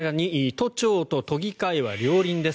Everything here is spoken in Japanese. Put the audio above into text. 更に都庁と都議会は両輪です。